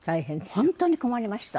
本当に困りました。